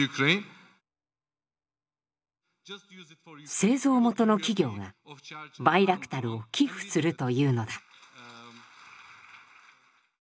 製造元の企業がバイラクタルを寄付するというのだ。